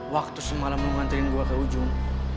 waktu semalam mau nganterin gue ke ujung